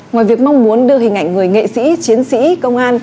ngoài việc mong muốn đưa hình ảnh người nghệ sĩ chiến sĩ công an